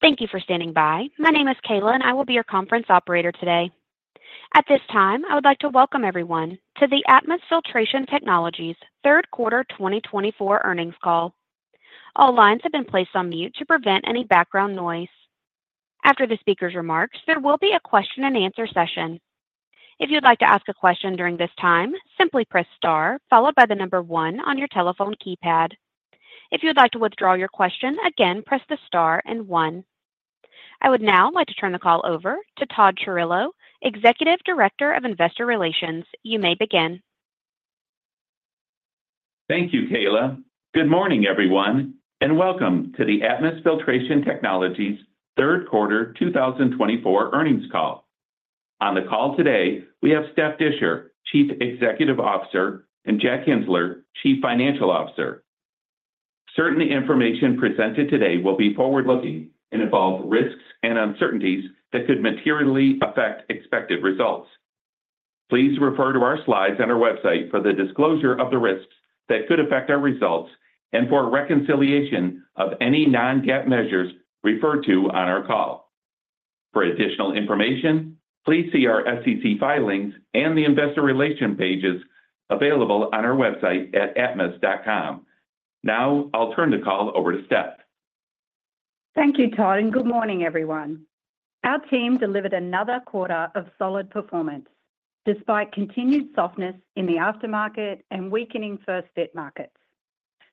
Thank you for standing by. My name is Kayla, and I will be your conference operator today. At this time, I would like to welcome everyone to the Atmus Filtration Technologies third quarter 2024 earnings call. All lines have been placed on mute to prevent any background noise. After the speaker's remarks, there will be a question-and-answer session. If you'd like to ask a question during this time, simply press star, followed by the number one on your telephone keypad. If you'd like to withdraw your question, again, press the star and one. I would now like to turn the call over to Todd Chirillo, Executive Director of Investor Relations. You may begin. Thank you, Kayla. Good morning, everyone, and welcome to the Atmus Filtration Technologies third quarter 2024 earnings call. On the call today, we have Steph Disher, Chief Executive Officer, and Jack Kienzler, Chief Financial Officer. Certain information presented today will be forward-looking and involve risks and uncertainties that could materially affect expected results. Please refer to our slides and our website for the disclosure of the risks that could affect our results and for reconciliation of any non-GAAP measures referred to on our call. For additional information, please see our SEC filings and the investor relation pages available on our website at atmus.com. Now, I'll turn the call over to Steph. Thank you, Todd, and good morning, everyone. Our team delivered another quarter of solid performance despite continued softness in the aftermarket and weakening first-fit markets.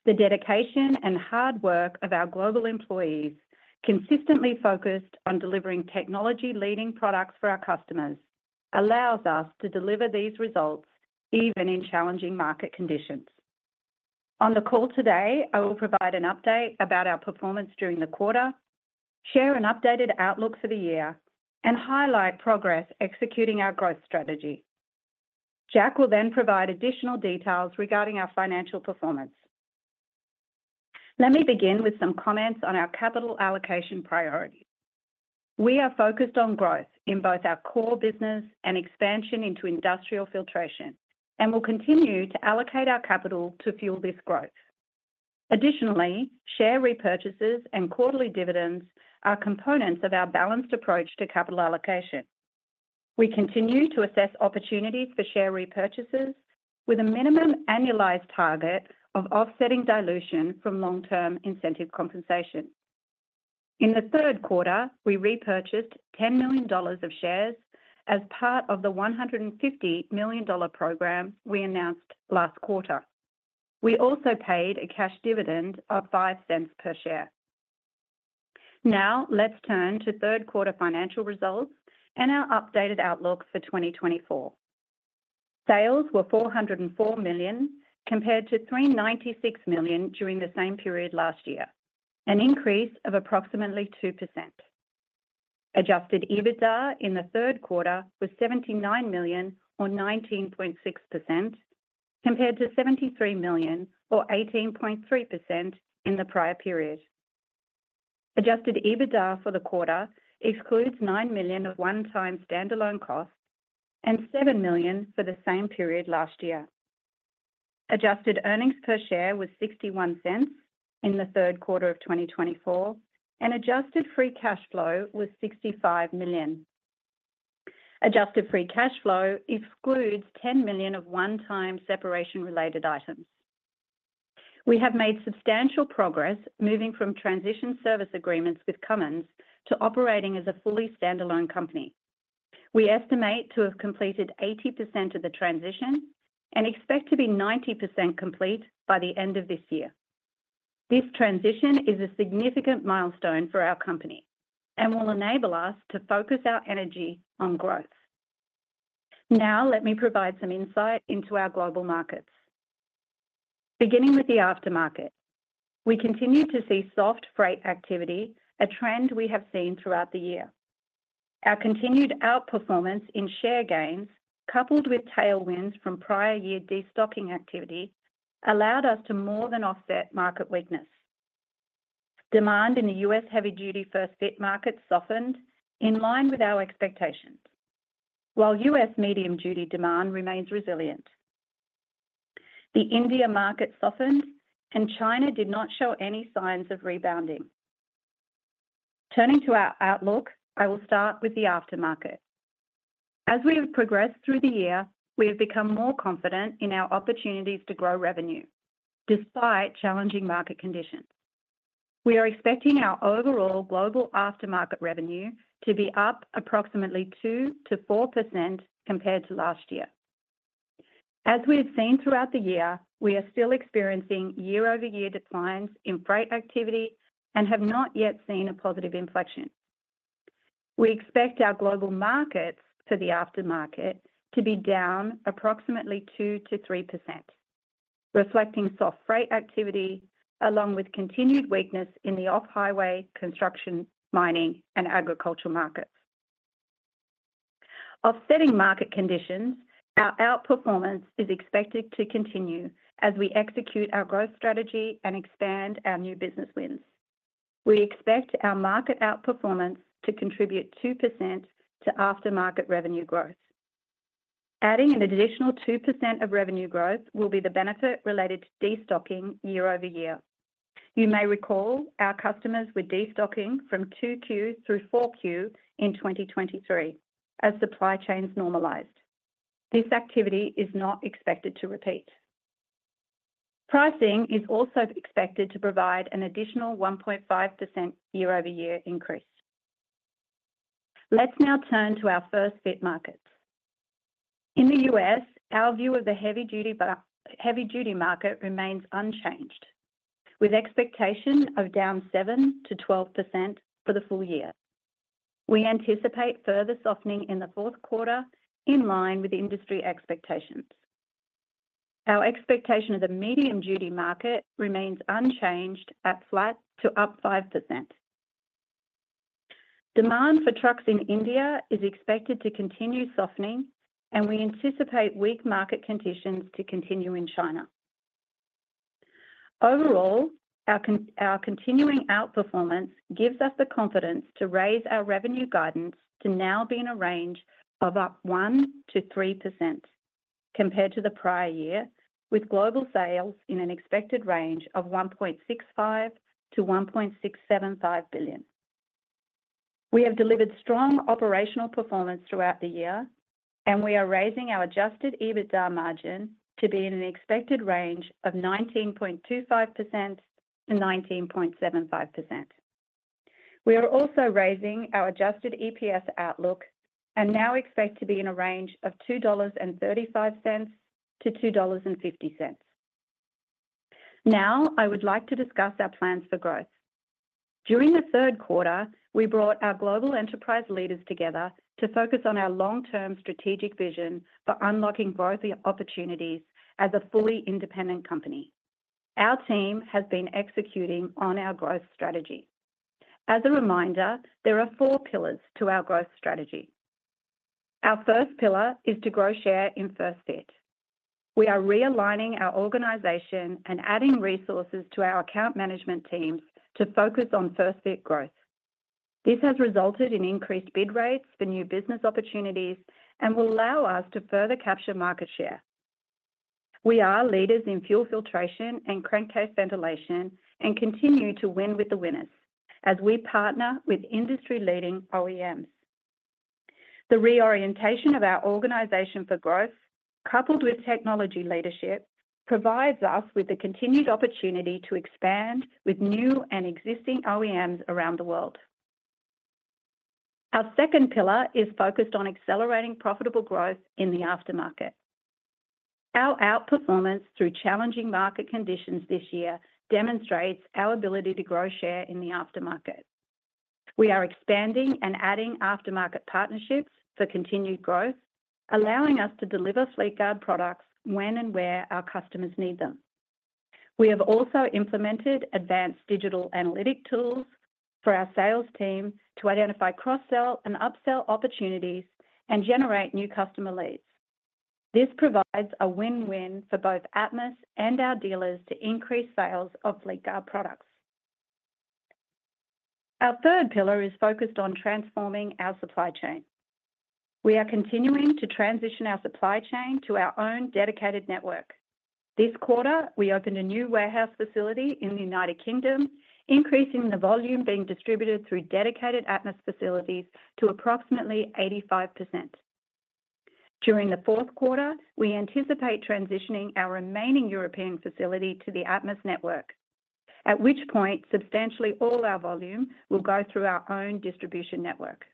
The dedication and hard work of our global employees, consistently focused on delivering technology-leading products for our customers, allows us to deliver these results even in challenging market conditions. On the call today, I will provide an update about our performance during the quarter, share an updated outlook for the year, and highlight progress executing our growth strategy. Jack will then provide additional details regarding our financial performance. Let me begin with some comments on our capital allocation priorities. We are focused on growth in both our core business and expansion into industrial filtration, and we'll continue to allocate our capital to fuel this growth. Additionally, share repurchases and quarterly dividends are components of our balanced approach to capital allocation. We continue to assess opportunities for share repurchases with a minimum annualized target of offsetting dilution from long-term incentive compensation. In the third quarter, we repurchased $10 million of shares as part of the $150 million program we announced last quarter. We also paid a cash dividend of $0.05 per share. Now, let's turn to third quarter financial results and our updated outlook for 2024. Sales were $404 million compared to $396 million during the same period last year, an increase of approximately 2%. Adjusted EBITDA in the third quarter was $79 million, or 19.6%, compared to $73 million, or 18.3%, in the prior period. Adjusted EBITDA for the quarter excludes $9 million of one-time standalone costs and $7 million for the same period last year. Adjusted earnings per share was $0.61 in the third quarter of 2024, and adjusted free cash flow was $65 million. Adjusted free cash flow excludes $10 million of one-time separation-related items. We have made substantial progress moving from transition service agreements with Cummins to operating as a fully standalone company. We estimate to have completed 80% of the transition and expect to be 90% complete by the end of this year. This transition is a significant milestone for our company and will enable us to focus our energy on growth. Now, let me provide some insight into our global markets. Beginning with the aftermarket, we continue to see soft freight activity, a trend we have seen throughout the year. Our continued outperformance in share gains, coupled with tailwinds from prior year destocking activity, allowed us to more than offset market weakness. Demand in the U.S. heavy-duty first-fit market softened in line with our expectations, while U.S. medium-duty demand remains resilient. The India market softened, and China did not show any signs of rebounding. Turning to our outlook, I will start with the aftermarket. As we have progressed through the year, we have become more confident in our opportunities to grow revenue despite challenging market conditions. We are expecting our overall global aftermarket revenue to be up approximately 2%-4% compared to last year. As we have seen throughout the year, we are still experiencing year-over-year declines in freight activity and have not yet seen a positive inflection. We expect our global markets for the aftermarket to be down approximately 2%-3%, reflecting soft freight activity along with continued weakness in the off-highway, construction, mining, and agricultural markets. Offsetting market conditions, our outperformance is expected to continue as we execute our growth strategy and expand our new business wins. We expect our market outperformance to contribute 2% to aftermarket revenue growth. Adding an additional 2% of revenue growth will be the benefit related to destocking year-over-year. You may recall our customers were destocking from 2Q through 4Q in 2023 as supply chains normalized. This activity is not expected to repeat. Pricing is also expected to provide an additional 1.5% year-over-year increase. Let's now turn to our first-fit markets. In the U.S., our view of the heavy-duty market remains unchanged, with expectation of down 7% to 12% for the full year. We anticipate further softening in the fourth quarter in line with industry expectations. Our expectation of the medium-duty market remains unchanged at flat to up 5%. Demand for trucks in India is expected to continue softening, and we anticipate weak market conditions to continue in China. Overall, our continuing outperformance gives us the confidence to raise our revenue guidance to now be in a range of up 1%-3% compared to the prior year, with global sales in an expected range of $1.65 billion-$1.675 billion. We have delivered strong operational performance throughout the year, and we are raising our Adjusted EBITDA margin to be in an expected range of 19.25%-19.75%. We are also raising our Adjusted EPS outlook and now expect to be in a range of $2.35-$2.50. Now, I would like to discuss our plans for growth. During the third quarter, we brought our global enterprise leaders together to focus on our long-term strategic vision for unlocking growth opportunities as a fully independent company. Our team has been executing on our growth strategy. As a reminder, there are four pillars to our growth strategy. Our first pillar is to grow share in first-fit. We are realigning our organization and adding resources to our account management teams to focus on first-fit growth. This has resulted in increased bid rates for new business opportunities and will allow us to further capture market share. We are leaders in fuel filtration and crankcase ventilation and continue to win with the winners as we partner with industry-leading OEMs. The reorientation of our organization for growth, coupled with technology leadership, provides us with the continued opportunity to expand with new and existing OEMs around the world. Our second pillar is focused on accelerating profitable growth in the aftermarket. Our outperformance through challenging market conditions this year demonstrates our ability to grow share in the aftermarket. We are expanding and adding aftermarket partnerships for continued growth, allowing us to deliver Fleetguard products when and where our customers need them. We have also implemented advanced digital analytic tools for our sales team to identify cross-sell and upsell opportunities and generate new customer leads. This provides a win-win for both Atmus and our dealers to increase sales of Fleetguard products. Our third pillar is focused on transforming our supply chain. We are continuing to transition our supply chain to our own dedicated network. This quarter, we opened a new warehouse facility in the United Kingdom, increasing the volume being distributed through dedicated Atmus facilities to approximately 85%. During the fourth quarter, we anticipate transitioning our remaining European facility to the Atmus network, at which point substantially all our volume will go through our own distribution network.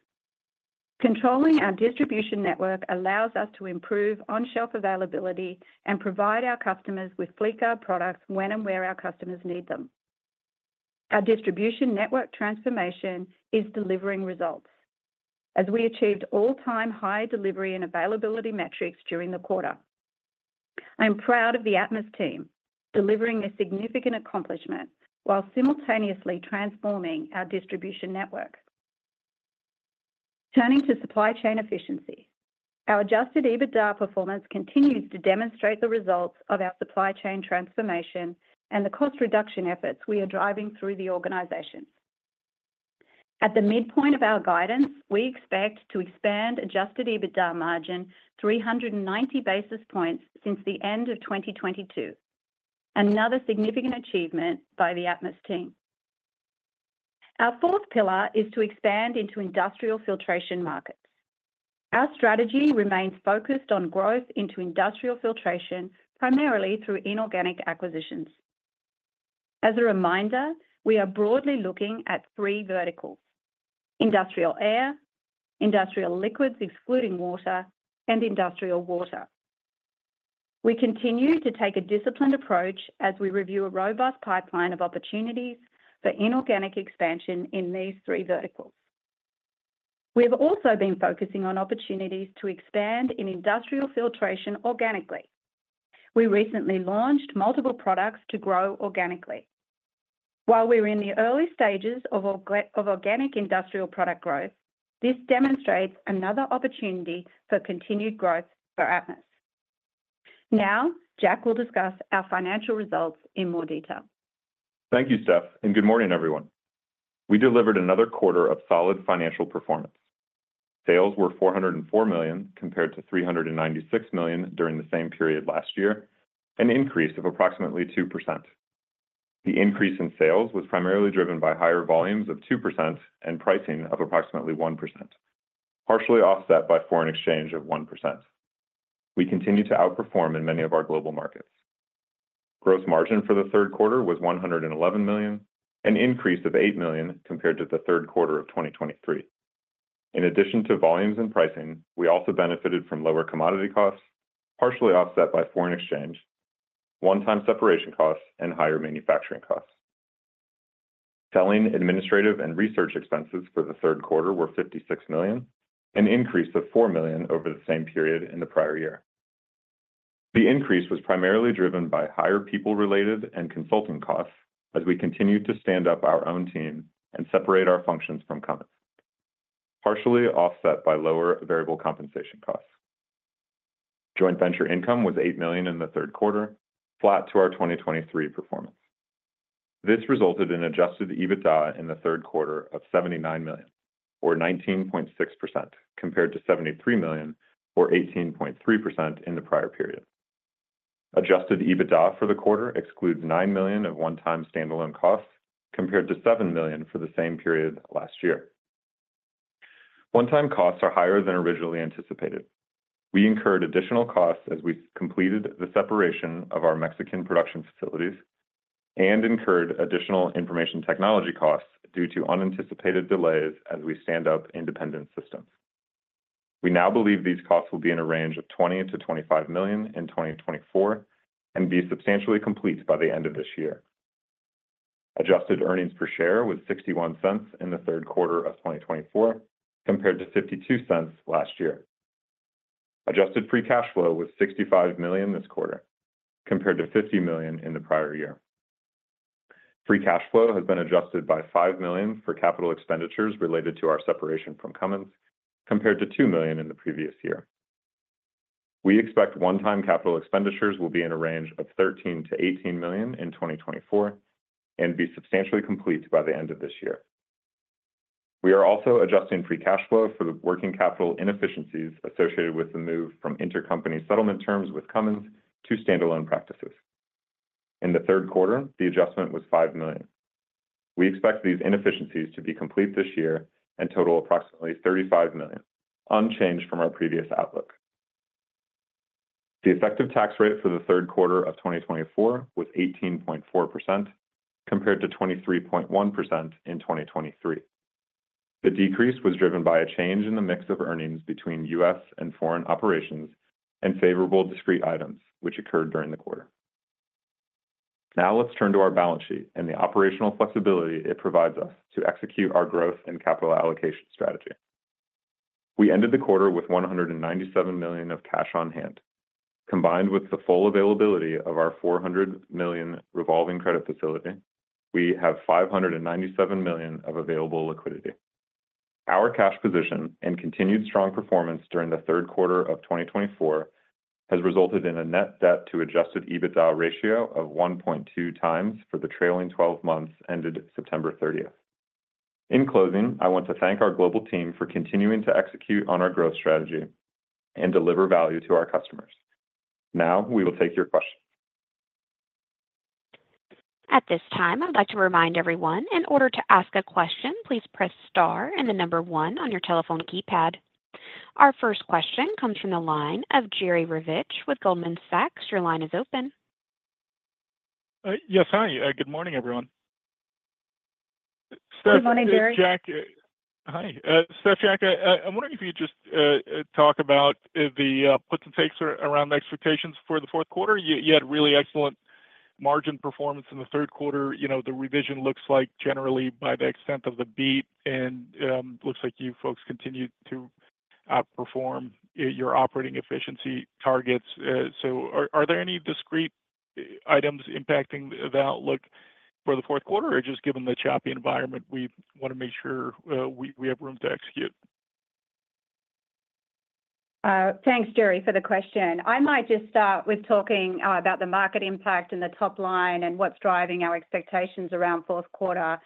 Controlling our distribution network allows us to improve on-shelf availability and provide our customers with Fleetguard products when and where our customers need them. Our distribution network transformation is delivering results as we achieved all-time high delivery and availability metrics during the quarter. I am proud of the Atmus team, delivering a significant accomplishment while simultaneously transforming our distribution network. Turning to supply chain efficiency, our Adjusted EBITDA performance continues to demonstrate the results of our supply chain transformation and the cost reduction efforts we are driving through the organization. At the midpoint of our guidance, we expect to expand Adjusted EBITDA margin 390 basis points since the end of 2022, another significant achievement by the Atmus team. Our fourth pillar is to expand into industrial filtration markets. Our strategy remains focused on growth into industrial filtration, primarily through inorganic acquisitions. As a reminder, we are broadly looking at three verticals: industrial air, industrial liquids excluding water, and industrial water. We continue to take a disciplined approach as we review a robust pipeline of opportunities for inorganic expansion in these three verticals. We have also been focusing on opportunities to expand in industrial filtration organically. We recently launched multiple products to grow organically. While we are in the early stages of organic industrial product growth, this demonstrates another opportunity for continued growth for Atmus. Now, Jack will discuss our financial results in more detail. Thank you, Steph, and good morning, everyone. We delivered another quarter of solid financial performance. Sales were $404 million compared to $396 million during the same period last year, an increase of approximately 2%. The increase in sales was primarily driven by higher volumes of 2% and pricing of approximately 1%, partially offset by foreign exchange of 1%. We continue to outperform in many of our global markets. Gross margin for the third quarter was $111 million, an increase of $8 million compared to the third quarter of 2023. In addition to volumes and pricing, we also benefited from lower commodity costs, partially offset by foreign exchange, one-time separation costs, and higher manufacturing costs. Selling, administrative, and research expenses for the third quarter were $56 million, an increase of $4 million over the same period in the prior year. The increase was primarily driven by higher people-related and consulting costs as we continued to stand up our own team and separate our functions from Cummins, partially offset by lower variable compensation costs. Joint venture income was $8 million in the third quarter, flat to our 2023 performance. This resulted in Adjusted EBITDA in the third quarter of $79 million, or 19.6%, compared to $73 million, or 18.3%, in the prior period. Adjusted EBITDA for the quarter excludes $9 million of one-time standalone costs compared to $7 million for the same period last year. One-time costs are higher than originally anticipated. We incurred additional costs as we completed the separation of our Mexican production facilities and incurred additional information technology costs due to unanticipated delays as we stand up independent systems. We now believe these costs will be in a range of $20-$25 million in 2024 and be substantially complete by the end of this year. Adjusted earnings per share was $0.61 in the third quarter of 2024 compared to $0.52 last year. Adjusted free cash flow was $65 million this quarter compared to $50 million in the prior year. Free cash flow has been adjusted by $5 million for capital expenditures related to our separation from Cummins compared to $2 million in the previous year. We expect one-time capital expenditures will be in a range of $13-$18 million in 2024 and be substantially complete by the end of this year. We are also adjusting free cash flow for the working capital inefficiencies associated with the move from intercompany settlement terms with Cummins to standalone practices. In the third quarter, the adjustment was $5 million. We expect these inefficiencies to be complete this year and total approximately $35 million, unchanged from our previous outlook. The effective tax rate for the third quarter of 2024 was 18.4% compared to 23.1% in 2023. The decrease was driven by a change in the mix of earnings between U.S. and foreign operations and favorable discrete items, which occurred during the quarter. Now let's turn to our balance sheet and the operational flexibility it provides us to execute our growth and capital allocation strategy. We ended the quarter with $197 million of cash on hand. Combined with the full availability of our $400 million revolving credit facility, we have $597 million of available liquidity. Our cash position and continued strong performance during the third quarter of 2024 has resulted in a net debt-to-adjusted EBITDA ratio of 1.2 times for the trailing 12 months ended September 30th. In closing, I want to thank our global team for continuing to execute on our growth strategy and deliver value to our customers. Now we will take your questions. At this time, I'd like to remind everyone, in order to ask a question, please press star and the number one on your telephone keypad. Our first question comes from the line of Jerry Revich with Goldman Sachs. Your line is open. Yes, hi. Good morning, everyone. Good morning, Jerry. This is Jack. Hi. Steph, Jack, I'm wondering if you could just talk about the puts and takes around expectations for the fourth quarter. You had really excellent margin performance in the third quarter. The revision looks like generally by the extent of the beat, and it looks like you folks continued to outperform your operating efficiency targets. So are there any discrete items impacting the outlook for the fourth quarter, or just given the choppy environment, we want to make sure we have room to execute? Thanks, Jerry, for the question. I might just start with talking about the market impact and the top line and what's driving our expectations around fourth quarter,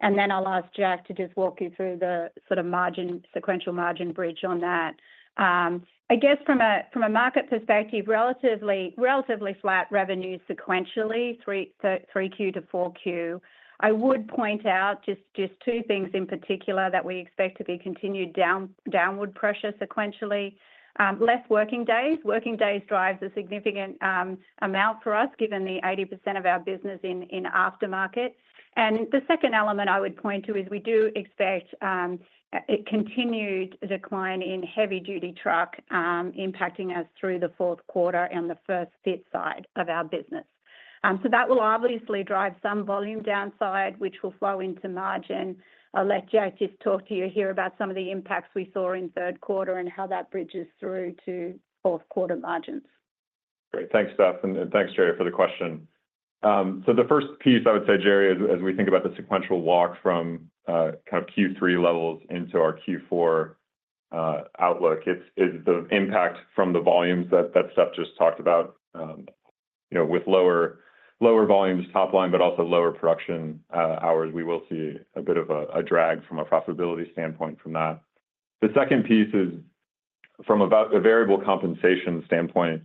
and then I'll ask Jack to just walk you through the sort of margin sequential margin bridge on that. I guess from a market perspective, relatively flat revenue sequentially through Q3 to Q4. I would point out just two things in particular that we expect to be continued downward pressure sequentially: less working days. Working days drives a significant amount for us, given the 80% of our business in aftermarket, and the second element I would point to is we do expect a continued decline in heavy-duty truck impacting us through the fourth quarter and the first-fit side of our business, so that will obviously drive some volume downside, which will flow into margin. I'll let Jack just talk to you here about some of the impacts we saw in third quarter and how that bridges through to fourth quarter margins. Great. Thanks, Steph, and thanks, Jerry, for the question. So the first piece I would say, Jerry, as we think about the sequential walk from kind of Q3 levels into our Q4 outlook, is the impact from the volumes that Steph just talked about. With lower volumes top line, but also lower production hours, we will see a bit of a drag from a profitability standpoint from that. The second piece is from a variable compensation standpoint.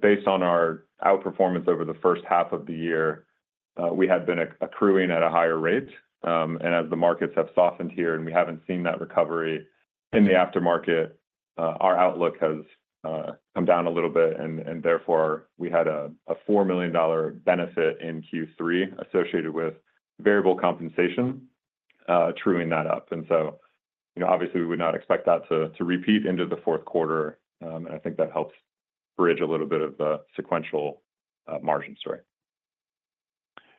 Based on our outperformance over the first half of the year, we had been accruing at a higher rate. And as the markets have softened here and we haven't seen that recovery in the aftermarket, our outlook has come down a little bit. And therefore, we had a $4 million benefit in Q3 associated with variable compensation accruing that up. And so obviously, we would not expect that to repeat into the fourth quarter. And I think that helps bridge a little bit of the sequential margin story.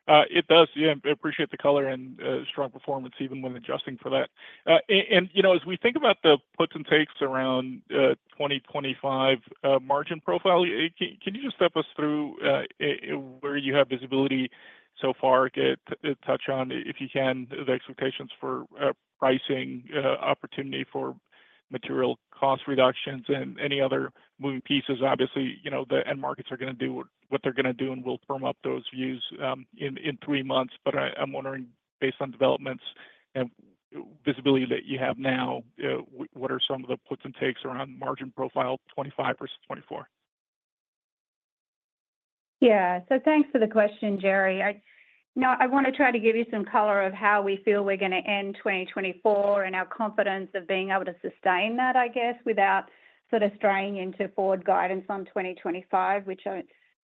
It does. Yeah, I appreciate the color and strong performance even when adjusting for that, and as we think about the puts and takes around 2025 margin profile, can you just step us through where you have visibility so far? Touch on, if you can, the expectations for pricing, opportunity for material cost reductions, and any other moving pieces. Obviously, the end markets are going to do what they're going to do, and we'll firm up those views in three months, but I'm wondering, based on developments and visibility that you have now, what are some of the puts and takes around margin profile 2025 versus 2024? Yeah. So thanks for the question, Jerry. I want to try to give you some color of how we feel we're going to end 2024 and our confidence of being able to sustain that, I guess, without sort of straying into forward guidance on 2025, which I'm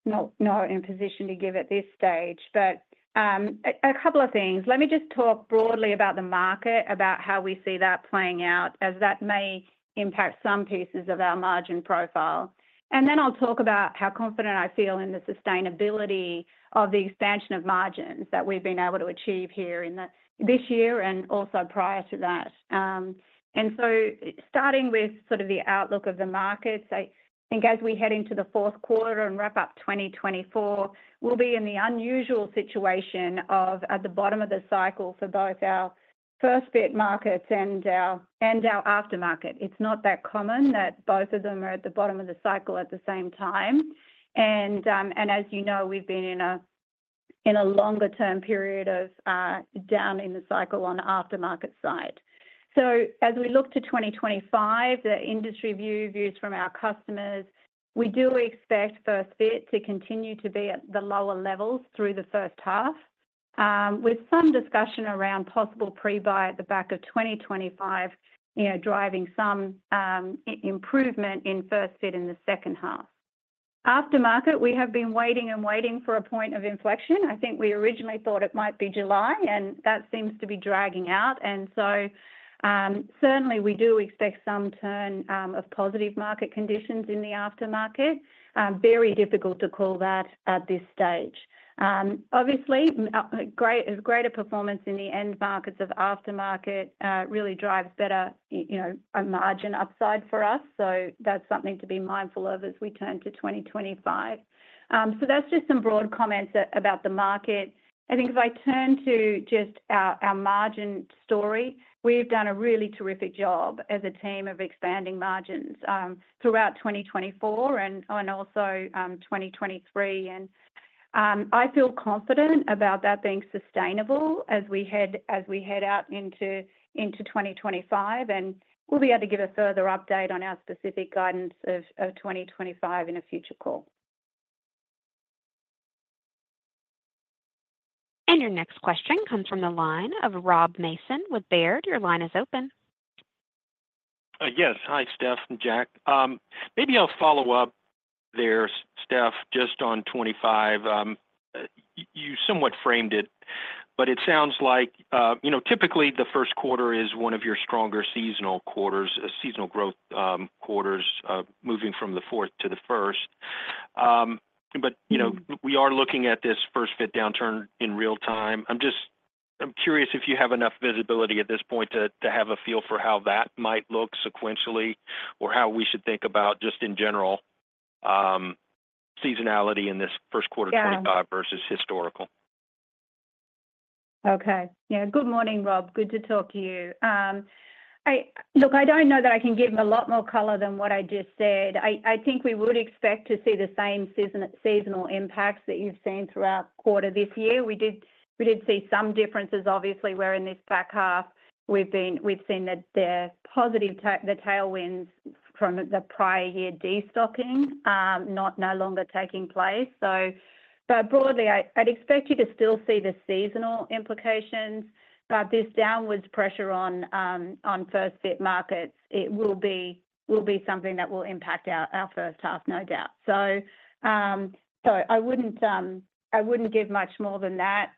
not in a position to give at this stage, but a couple of things. Let me just talk broadly about the market, about how we see that playing out, as that may impact some pieces of our margin profile, and then I'll talk about how confident I feel in the sustainability of the expansion of margins that we've been able to achieve here this year and also prior to that. And so starting with sort of the outlook of the markets, I think as we head into the fourth quarter and wrap up 2024, we'll be in the unusual situation of at the bottom of the cycle for both our first-fit markets and our aftermarket. It's not that common that both of them are at the bottom of the cycle at the same time. And as you know, we've been in a longer-term period of down in the cycle on the aftermarket side. So as we look to 2025, the industry view, views from our customers, we do expect first-fit to continue to be at the lower levels through the first half, with some discussion around possible pre-buy at the back of 2025 driving some improvement in first-fit in the second half. Aftermarket, we have been waiting and waiting for a point of inflection. I think we originally thought it might be July, and that seems to be dragging out. And so certainly, we do expect some turn of positive market conditions in the aftermarket. Very difficult to call that at this stage. Obviously, greater performance in the end markets of aftermarket really drives better margin upside for us. So that's something to be mindful of as we turn to 2025. So that's just some broad comments about the market. I think if I turn to just our margin story, we've done a really terrific job as a team of expanding margins throughout 2024 and also 2023. And I feel confident about that being sustainable as we head out into 2025. And we'll be able to give a further update on our specific guidance of 2025 in a future call. Your next question comes from the line of Rob Mason with Baird. Your line is open. Yes. Hi, Steph and Jack. Maybe I'll follow up there, Steph, just on 25. You somewhat framed it, but it sounds like typically the first quarter is one of your stronger seasonal growth quarters, moving from the fourth to the first. But we are looking at this first-fit downturn in real time. I'm curious if you have enough visibility at this point to have a feel for how that might look sequentially or how we should think about just in general seasonality in this first quarter, 25 versus historical. Okay. Yeah. Good morning, Rob. Good to talk to you. Look, I don't know that I can give a lot more color than what I just said. I think we would expect to see the same seasonal impacts that you've seen throughout quarter this year. We did see some differences, obviously, where in this back half we've seen the positive tailwinds from the prior year de-stocking no longer taking place. But broadly, I'd expect you to still see the seasonal implications, but this downward pressure on first-fit markets, it will be something that will impact our first half, no doubt. So I wouldn't give much more than that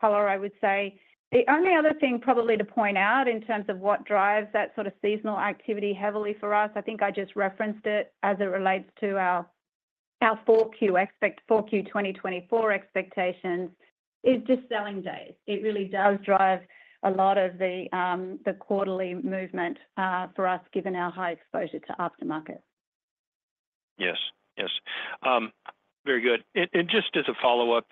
color, I would say. The only other thing probably to point out in terms of what drives that sort of seasonal activity heavily for us, I think I just referenced it as it relates to our 4Q 2024 expectations, is just selling days. It really does drive a lot of the quarterly movement for us, given our high exposure to aftermarket. Yes. Yes. Very good. And just as a follow-up,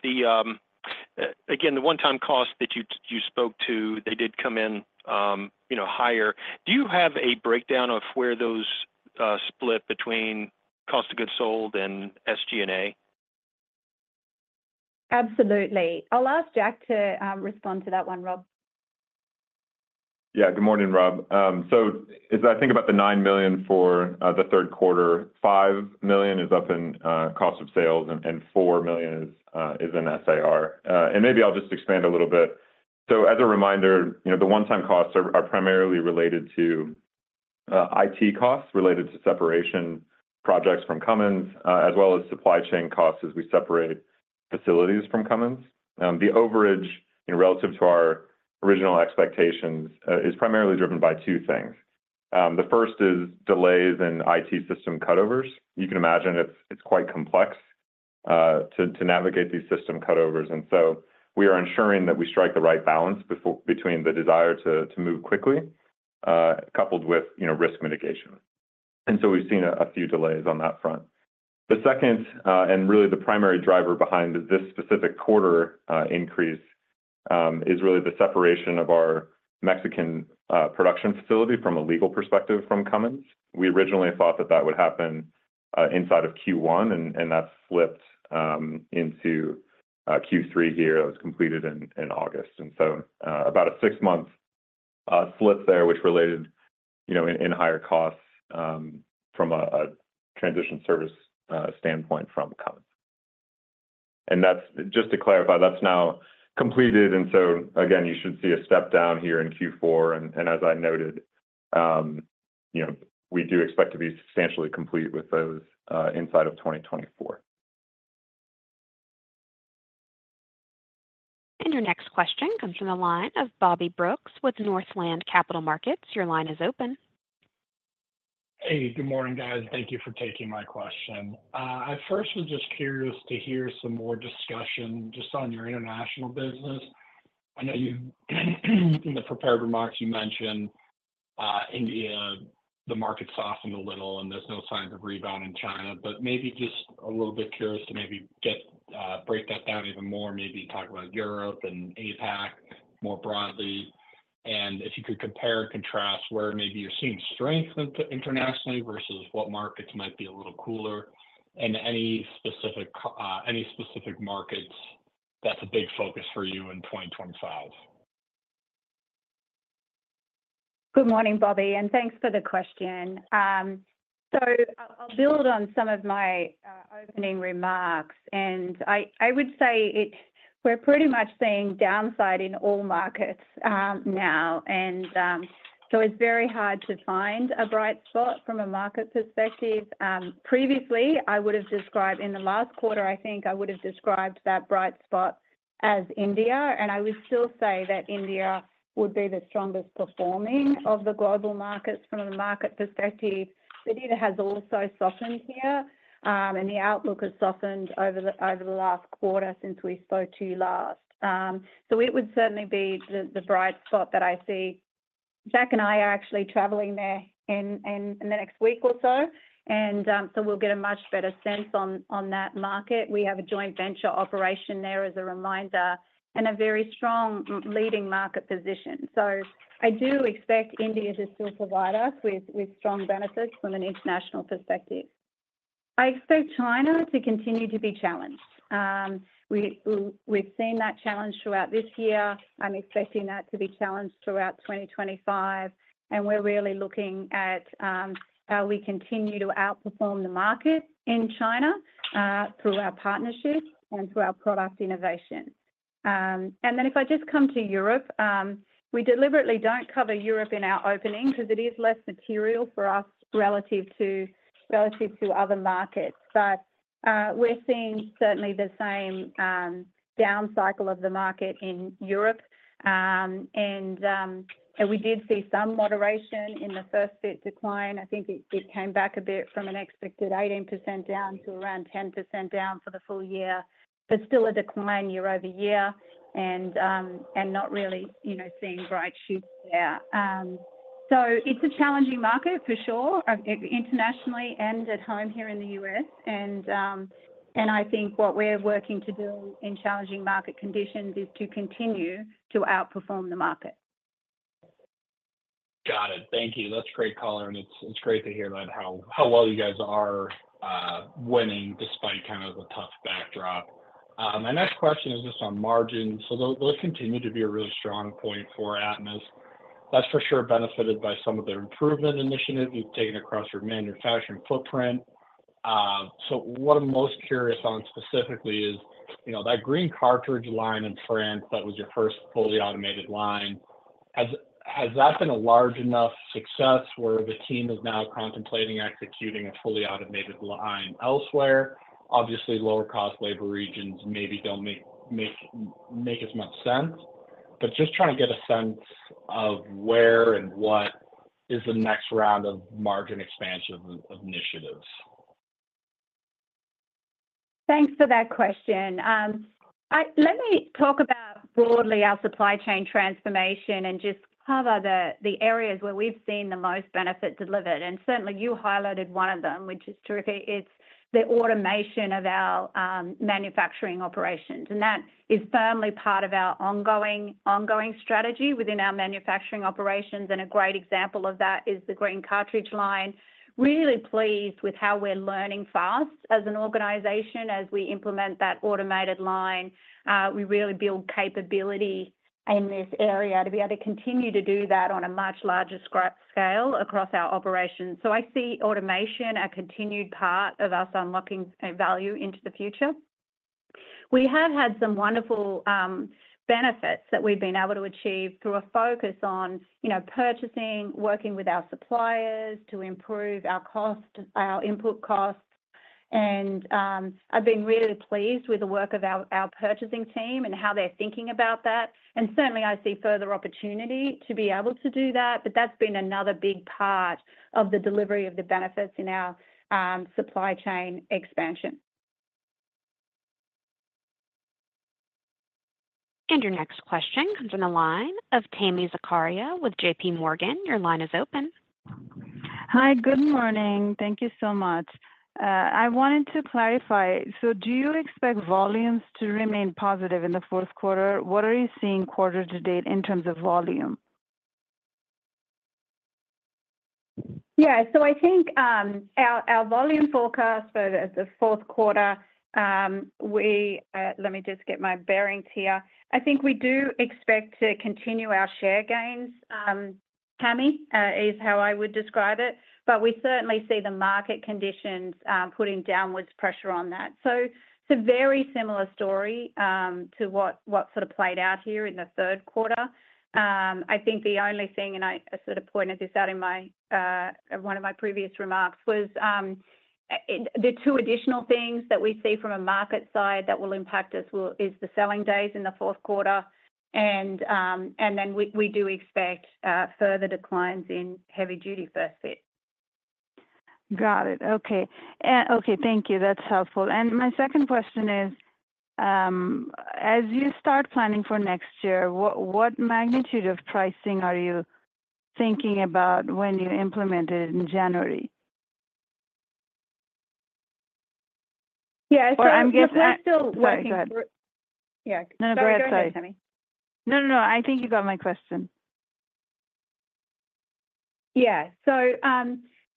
again, the one-time cost that you spoke to, they did come in higher. Do you have a breakdown of where those split between cost of goods sold and SG&A? Absolutely. I'll ask Jack to respond to that one, Rob. Yeah. Good morning, Rob. So as I think about the $9 million for the third quarter, $5 million is up in cost of sales, and $4 million is in SG&A. And maybe I'll just expand a little bit. So as a reminder, the one-time costs are primarily related to IT costs related to separation projects from Cummins, as well as supply chain costs as we separate facilities from Cummins. The overage relative to our original expectations is primarily driven by two things. The first is delays in IT system cutovers. You can imagine it's quite complex to navigate these system cutovers. And so we are ensuring that we strike the right balance between the desire to move quickly, coupled with risk mitigation. And so we've seen a few delays on that front. The second, and really the primary driver behind this specific quarter increase, is really the separation of our Mexican production facility from a legal perspective from Cummins. We originally thought that that would happen inside of Q1, and that's flipped into Q3 here. It was completed in August, and so about a six-month flip there, which related in higher costs from a transition service standpoint from Cummins, and just to clarify, that's now completed, and so again, you should see a step down here in Q4, and as I noted, we do expect to be substantially complete with those inside of 2024. And your next question comes from the line of Bobby Brooks with Northland Capital Markets. Your line is open. Hey, good morning, guys. Thank you for taking my question. I first was just curious to hear some more discussion just on your international business. I know in the prepared remarks, you mentioned India, the market softened a little, and there's no signs of rebound in China. But maybe just a little bit curious to maybe break that down even more, maybe talk about Europe and APAC more broadly. And if you could compare and contrast where maybe you're seeing strength internationally versus what markets might be a little cooler, and any specific markets that's a big focus for you in 2025? Good morning, Bobby, and thanks for the question. I'll build on some of my opening remarks. I would say we're pretty much seeing downside in all markets now, and so it's very hard to find a bright spot from a market perspective. Previously, I would have described in the last quarter, I think I would have described that bright spot as India, and I would still say that India would be the strongest performing of the global markets from a market perspective, but it has also softened here. The outlook has softened over the last quarter since we spoke to you last, so it would certainly be the bright spot that I see. Jack and I are actually traveling there in the next week or so, and so we'll get a much better sense on that market. We have a joint venture operation there as a reminder and a very strong leading market position. So I do expect India to still provide us with strong benefits from an international perspective. I expect China to continue to be challenged. We've seen that challenge throughout this year. I'm expecting that to be challenged throughout 2025. And we're really looking at how we continue to outperform the market in China through our partnerships and through our product innovation. And then if I just come to Europe, we deliberately don't cover Europe in our opening because it is less material for us relative to other markets. But we're seeing certainly the same down cycle of the market in Europe. And we did see some moderation in the first-fit decline. I think it came back a bit from an expected 18% down to around 10% down for the full year, but still a decline year over year and not really seeing bright spots there. So it's a challenging market for sure, internationally and at home here in the U.S. And I think what we're working to do in challenging market conditions is to continue to outperform the market. Got it. Thank you. That's great color, and it's great to hear about how well you guys are winning despite kind of a tough backdrop. My next question is just on margins, so those continue to be a really strong point for Atmus. That's for sure benefited by some of the improvement initiatives you've taken across your manufacturing footprint, so what I'm most curious on specifically is that green cartridge line in France that was your first fully automated line. Has that been a large enough success where the team is now contemplating executing a fully automated line elsewhere? Obviously, lower-cost labor regions maybe don't make as much sense, but just trying to get a sense of where and what is the next round of margin expansion initiatives. Thanks for that question. Let me talk about broadly our supply chain transformation and just cover the areas where we've seen the most benefit delivered, and certainly, you highlighted one of them, which is tricky. It's the automation of our manufacturing operations, and that is firmly part of our ongoing strategy within our manufacturing operations, and a great example of that is the green cartridge line. Really pleased with how we're learning fast as an organization as we implement that automated line. We really build capability in this area to be able to continue to do that on a much larger scale across our operations, so I see automation as a continued part of us unlocking value into the future. We have had some wonderful benefits that we've been able to achieve through a focus on purchasing, working with our suppliers to improve our input costs. And I've been really pleased with the work of our purchasing team and how they're thinking about that. And certainly, I see further opportunity to be able to do that. But that's been another big part of the delivery of the benefits in our supply chain expansion. Your next question comes from the line of Tami Zakaria with JPMorgan. Your line is open. Hi. Good morning. Thank you so much. I wanted to clarify. So do you expect volumes to remain positive in the fourth quarter? What are you seeing quarter to date in terms of volume? Yeah. So I think our volume forecast for the fourth quarter, let me just get my bearings here. I think we do expect to continue our share gains. Tami is how I would describe it, but we certainly see the market conditions putting downward pressure on that. So it's a very similar story to what sort of played out here in the third quarter. I think the only thing, and I sort of pointed this out in one of my previous remarks, was the two additional things that we see from a market side that will impact us is the selling days in the fourth quarter, and then we do expect further declines in heavy-duty first-fit. Got it. Okay. Thank you. That's helpful, and my second question is, as you start planning for next year, what magnitude of pricing are you thinking about when you implement it in January? Yeah. So I'm still working. Sorry. Go ahead. Yeah. No, no. Go ahead, Tami. No, no, no. I think you got my question. Yeah.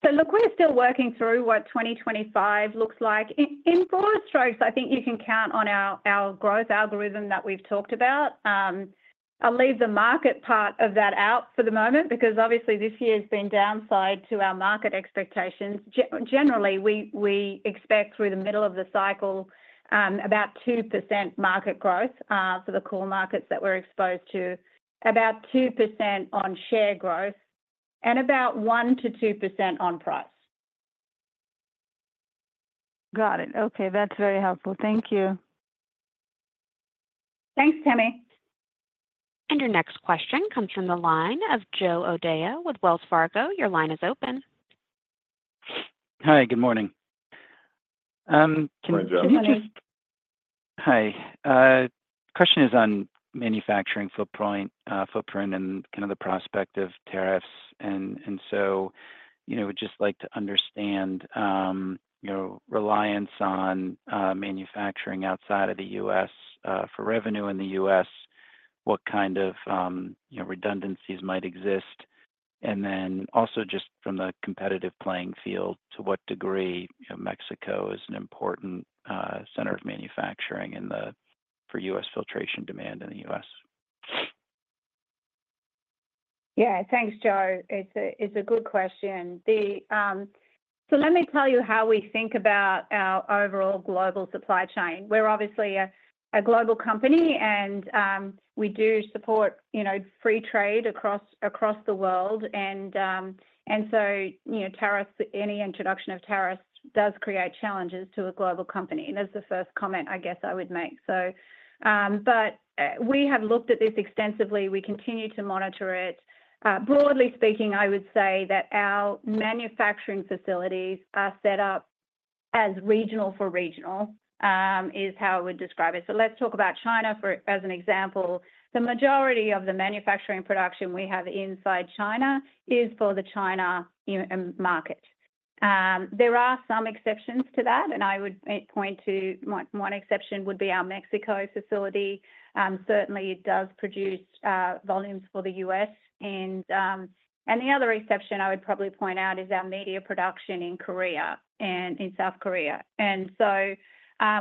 So look, we're still working through what 2025 looks like. In broad strokes, I think you can count on our growth algorithm that we've talked about. I'll leave the market part of that out for the moment because obviously this year has been downside to our market expectations. Generally, we expect through the middle of the cycle about 2% market growth for the core markets that we're exposed to, about 2% on share growth, and about 1%-2% on price. Got it. Okay. That's very helpful. Thank you. Thanks, Tami. Your next question comes from the line of Joe O'Dea with Wells Fargo. Your line is open. Hi. Good morning. Can you just. Hi. Hi. The question is on manufacturing footprint and kind of the prospect of tariffs. And so we'd just like to understand your reliance on manufacturing outside of the U.S. for revenue in the U.S., what kind of redundancies might exist. And then also just from the competitive playing field, to what degree Mexico is an important center of manufacturing for U.S. filtration demand in the U.S.? Yeah. Thanks, Joe. It's a good question. So let me tell you how we think about our overall global supply chain. We're obviously a global company, and we do support free trade across the world. And so any introduction of tariffs does create challenges to a global company. And that's the first comment, I guess, I would make. But we have looked at this extensively. We continue to monitor it. Broadly speaking, I would say that our manufacturing facilities are set up as regional for regional is how I would describe it. So let's talk about China as an example. The majority of the manufacturing production we have inside China is for the China market. There are some exceptions to that. And I would point to one exception would be our Mexico facility. Certainly, it does produce volumes for the U.S. And the other exception I would probably point out is our media production in South Korea. And so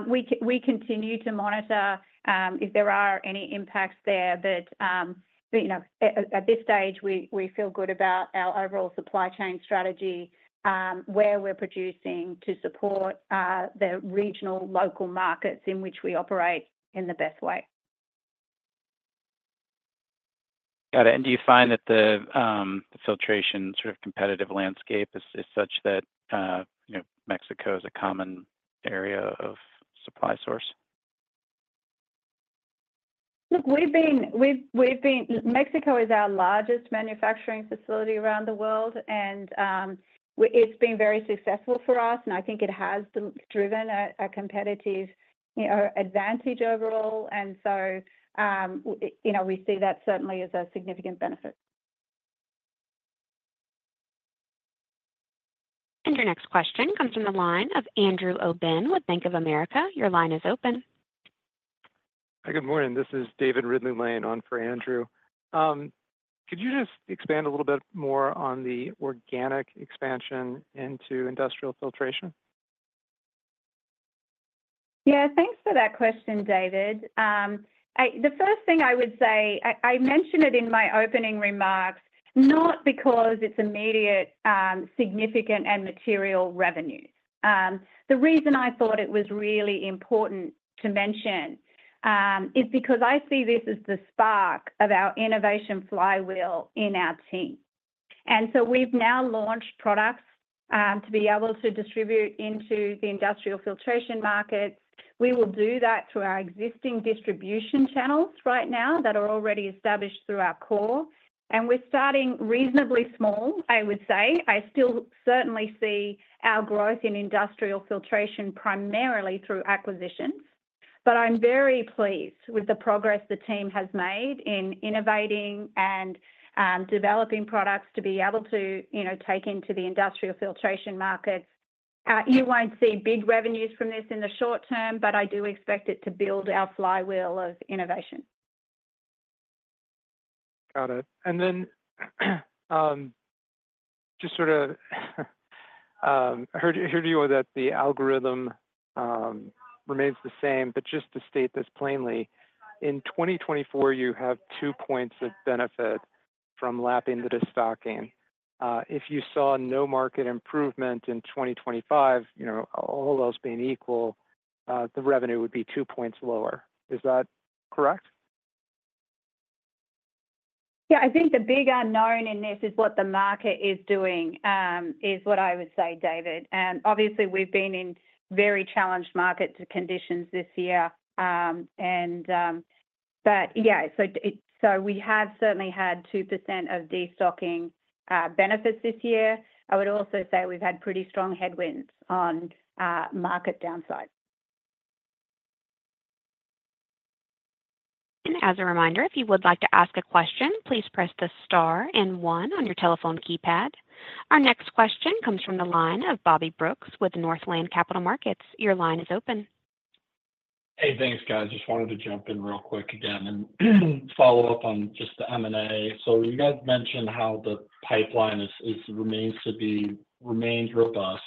we continue to monitor if there are any impacts there. But at this stage, we feel good about our overall supply chain strategy, where we're producing to support the regional local markets in which we operate in the best way. Got it. And do you find that the filtration sort of competitive landscape is such that Mexico is a common area of supply source? Look, Mexico is our largest manufacturing facility around the world. And it's been very successful for us. And I think it has driven a competitive advantage overall. And so we see that certainly as a significant benefit. And your next question comes from the line of Andrew Obin with Bank of America. Your line is open. Hi. Good morning. This is David Ridley-Lane on for Andrew. Could you just expand a little bit more on the organic expansion into industrial filtration? Yeah. Thanks for that question, David. The first thing I would say, I mentioned it in my opening remarks, not because it's immediate, significant, and material revenues. The reason I thought it was really important to mention is because I see this as the spark of our innovation flywheel in our team. And so we've now launched products to be able to distribute into the industrial filtration markets. We will do that through our existing distribution channels right now that are already established through our core. And we're starting reasonably small, I would say. I still certainly see our growth in industrial filtration primarily through acquisitions. But I'm very pleased with the progress the team has made in innovating and developing products to be able to take into the industrial filtration markets. You won't see big revenues from this in the short term, but I do expect it to build our flywheel of innovation. Got it. And then just sort of heard you that the algorithm remains the same. But just to state this plainly, in 2024, you have two points of benefit from lapping the destocking. If you saw no market improvement in 2025, all else being equal, the revenue would be two points lower. Is that correct? Yeah. I think the big unknown in this is what the market is doing is what I would say, David. And obviously, we've been in very challenged market conditions this year. But yeah. So we have certainly had 2% of destocking benefits this year. I would also say we've had pretty strong headwinds on market downside. As a reminder, if you would like to ask a question, please press the star and one on your telephone keypad. Our next question comes from the line of Bobby Brooks with Northland Capital Markets. Your line is open. Hey, thanks, guys. Just wanted to jump in real quick again and follow up on just the M&A. So you guys mentioned how the pipeline remains robust,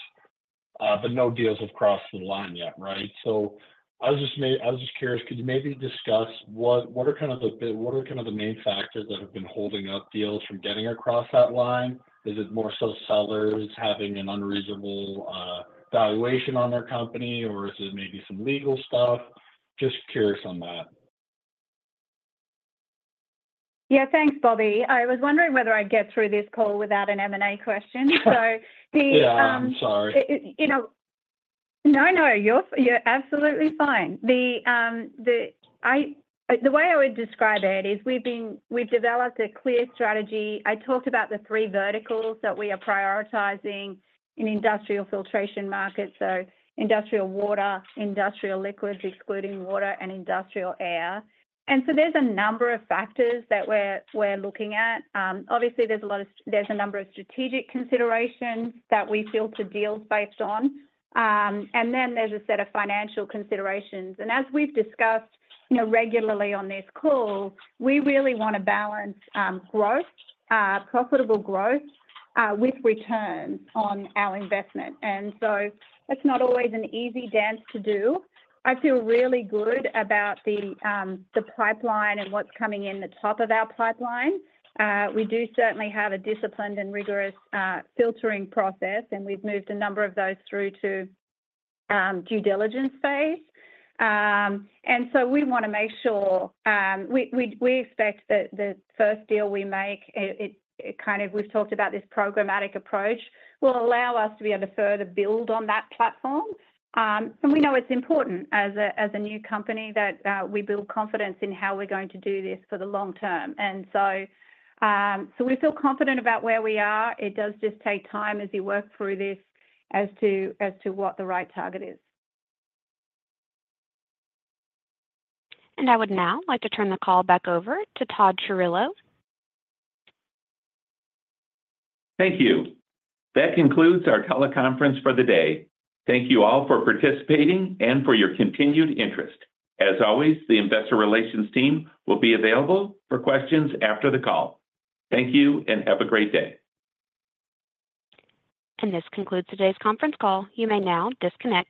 but no deals have crossed the line yet, right? So I was just curious, could you maybe discuss what are kind of the main factors that have been holding up deals from getting across that line? Is it more so sellers having an unreasonable valuation on their company, or is it maybe some legal stuff? Just curious on that. Yeah. Thanks, Bobby. I was wondering whether I'd get through this call without an M&A question. So the. Yeah. I'm sorry. No, no. You're absolutely fine. The way I would describe it is we've developed a clear strategy. I talked about the three verticals that we are prioritizing in industrial filtration markets. So industrial water, industrial liquids, excluding water, and industrial air. And so there's a number of factors that we're looking at. Obviously, there's a number of strategic considerations that we filter deals based on. And then there's a set of financial considerations. And as we've discussed regularly on this call, we really want to balance growth, profitable growth with returns on our investment. And so it's not always an easy dance to do. I feel really good about the pipeline and what's coming in the top of our pipeline. We do certainly have a disciplined and rigorous filtering process, and we've moved a number of those through to due diligence phase. And so we want to make sure we expect that the first deal we make, kind of we've talked about this programmatic approach, will allow us to be able to further build on that platform. And we know it's important as a new company that we build confidence in how we're going to do this for the long term. And so we feel confident about where we are. It does just take time as you work through this as to what the right target is. I would now like to turn the call back over to Todd Chirillo. Thank you. That concludes our teleconference for the day. Thank you all for participating and for your continued interest. As always, the investor relations team will be available for questions after the call. Thank you and have a great day. This concludes today's conference call. You may now disconnect.